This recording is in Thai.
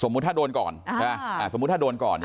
ถ้าโดนก่อนสมมุติถ้าโดนก่อน